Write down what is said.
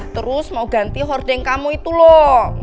terus mau ganti hording kamu itu loh